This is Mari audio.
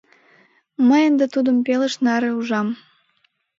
— Мый ынде тудым пелыж наре ужам!